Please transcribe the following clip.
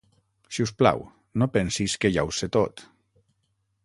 Si us plau, no pensis que ja ho sé tot.